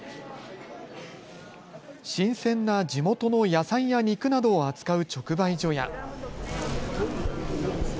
新鮮な地元の野菜や肉などを扱う直売所や。